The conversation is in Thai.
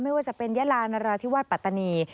ไม่ว่าจะเป็นยาลานราธิวาสปัตตานี